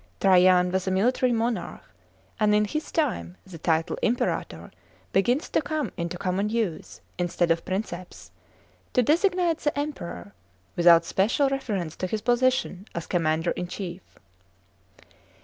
Trajan was a military monarch, and in his time the title Imperator begins to come into common use, instead of Princeps, to designate the Emperor, without special reference to his position as Commander in chief.